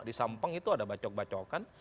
di sampang itu ada bacok bacokan